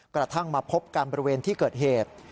กระทั่งมาพบกันบริเวณที่เกิดเหตุ